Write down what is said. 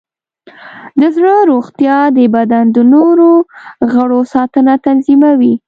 د زړه روغتیا د بدن د نور غړو ساتنه تضمینوي.